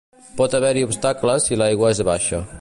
Pot haver-hi obstacles si l"aigua és baixa.